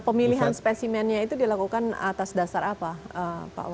pemilihan spesimennya itu dilakukan atas dasar apa pak